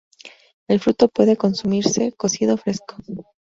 El fruto puede consumirse cocido o fresco.